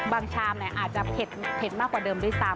ชามอาจจะเผ็ดมากกว่าเดิมด้วยซ้ำ